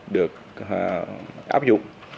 được áp dụng